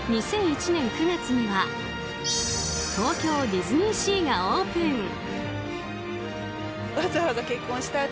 ２００１年９月には東京ディズニーシーがオープン。